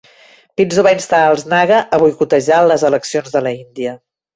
Phizo va instar els naga a boicotejar les eleccions de l'Índia.